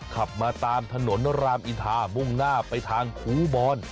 ขับมาตามถนนรามอินทามุ่งหน้าไปทางครูบอล